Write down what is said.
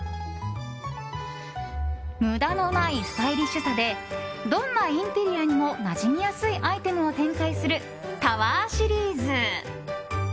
無駄のないスタイリッシュさでどんなインテリアにもなじみやすいアイテムを展開するｔｏｗｅｒシリーズ。